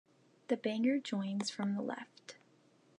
The Banger joins from the left.